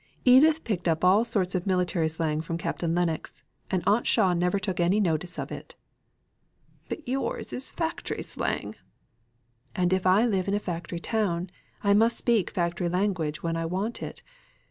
"Edith picked up all sorts of military slang from Captain Lennox, and aunt Shaw never took any notice of it." "But yours is factory slang." "And if I live in a factory town, I must speak factory language when I want it.